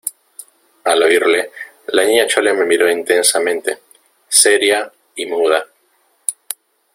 al oírle, la Niña Chole me miró intensamente , seria y muda.